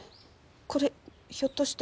これひょっとして。